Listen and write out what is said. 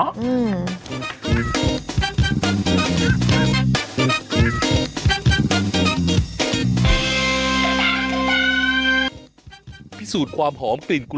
มันไม่ใช่ลูก